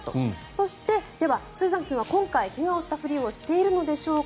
そして、今回スーザン君は怪我をしたふりをしていたんでしょうか。